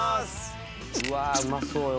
うわうまそうよ